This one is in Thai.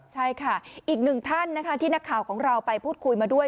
ใช่ค่ะอีกหนึ่งท่านนะคะที่นักข่าวของเราไปพูดคุยมาด้วย